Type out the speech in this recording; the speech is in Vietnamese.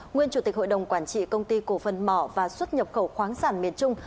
nguyên chủ tịch hội đồng quản trị công ty cổ phần mỏ và xuất nhập khẩu khoáng sản miền trung